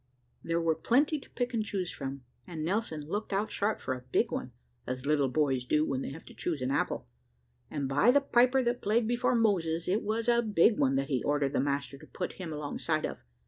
There were plenty to pick and choose from; and Nelson looked out sharp for a big one, as little boys do when they have to choose an apple: and, by the piper that played before Moses! it was a big one that he ordered the master to put him alongside of.